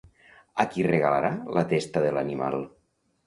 A qui regalarà la testa de l'animal?